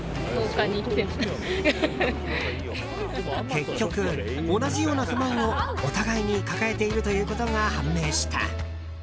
結局、同じような不満をお互いに抱えているということが判明した。